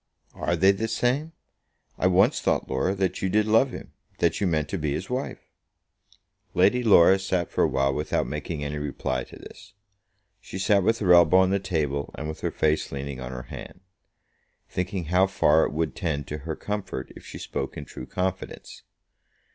"Are they the same? I once thought, Laura, that you did love him; that you meant to be his wife." Lady Laura sat for a while without making any reply to this. She sat with her elbow on the table and with her face leaning on her hand, thinking how far it would tend to her comfort if she spoke in true confidence.